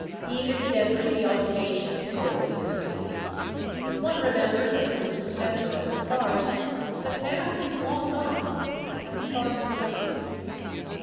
Even Denry the Audacious grows misty. One remembers that he was the center of the farce, but now he is long gone and the farce remains.